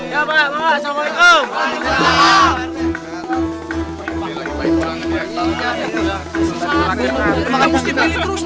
ya bapak assalamualaikum